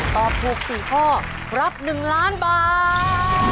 ตอบถูกสี่ข้อรับ๑๐๐๐๐๐๐บาท